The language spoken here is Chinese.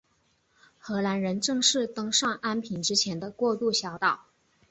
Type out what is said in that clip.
荷兰人正式登上安平之前的过渡小岛。